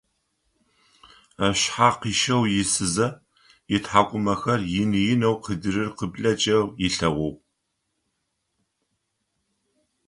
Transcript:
Ышъхьэ къищэу исызэ, ытхьакӀумэхэр ины-инэу къыдырыр къыблэкӀэу ылъэгъугъ.